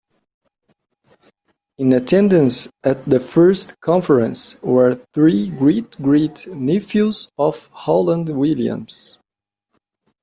In attendance at the first conference were three great-great nephews of Rowland Williams.